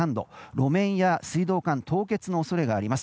路面や水道管凍結の恐れがあります。